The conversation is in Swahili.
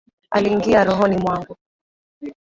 Aliingia rohoni mwangu.